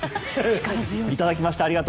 いただきました。